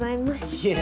いえ